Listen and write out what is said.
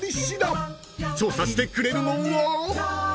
［調査してくれるのは］